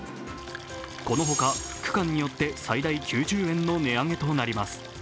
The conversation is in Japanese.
このほか、区間によって最大９０円の値上げとなります。